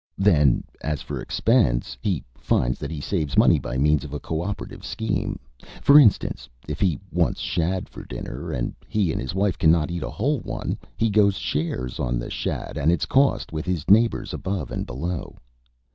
Then, as for expense, he finds that he saves money by means of a co operative scheme. For instance, if he wants shad for dinner, and he and his wife cannot eat a whole one, he goes shares on the shad and its cost with his neighbors above and below."